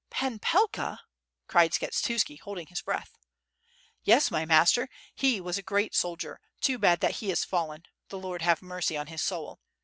*'P:in Ptlka?" cried Skshetuski, holding his breath. Yes, my master, he was a great soldier, too bad that he Is fallen — the Lord have mercy on his soul!